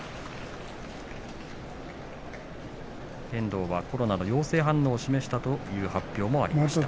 遠藤はコロナの陽性反応を示したという発表もありました。